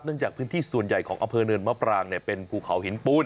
จากพื้นที่ส่วนใหญ่ของอำเภอเนินมะปรางเป็นภูเขาหินปูน